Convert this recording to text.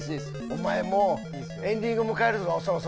お前もうエンディング迎えるぞそろそろ。